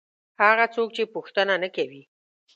هغه څوک چې پوښتنه نه کوي.